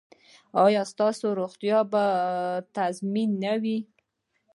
ایا ستاسو روغتیا به تضمین نه وي؟